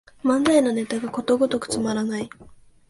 漫才のネタがことごとくつまらない